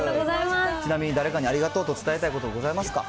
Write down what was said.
ちなみに誰かにありがとうと伝えたいことございますか？